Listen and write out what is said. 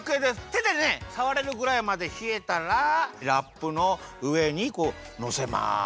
てでねさわれるぐらいまでひえたらラップのうえにのせます。